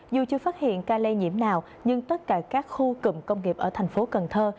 dù chưa phát hiện ca lây nhiễm nào nhưng tất cả các khu cụm công nghiệp ở thành phố cần thơ